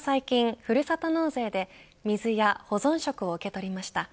私は最近ふるさと納税で水や保存食を受け取りました。